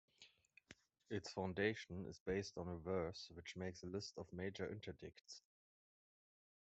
Its foundation is based on a verse which makes a list of major interdicts.